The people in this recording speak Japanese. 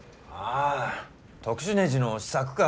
ああ特殊ねじの試作か。